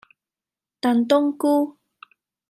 燉冬菇